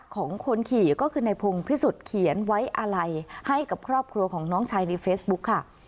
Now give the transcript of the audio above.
ของคนขี่ก็คือในพงพิสุทธิ์เขียนไว้อะไรให้กับครอบครัวของน้องชายในเฟซบุ๊คค่ะ